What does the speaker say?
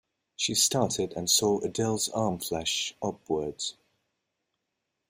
She started and saw Adele's arm flash upwards.